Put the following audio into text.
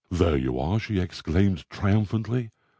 "There you are!" she exclaimed triumphantly.